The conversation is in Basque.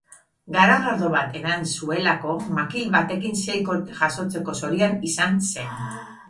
Garagardo bat edan zuelako, makil batekin sei kolpe jasotzeko zorian izan zen.